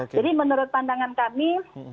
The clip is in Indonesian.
jadi menurut pandangan kami